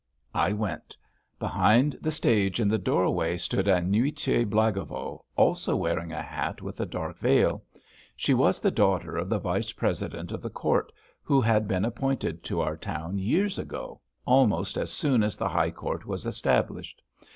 I went. Behind the stage in the doorway stood Aniuta Blagovo, also wearing a hat with a dark veil. She was the daughter of the vice president of the Court, who had been appointed to our town years ago, almost as soon as the High Court was established.